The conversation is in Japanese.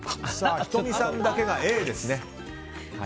仁美さんだけがＡですね。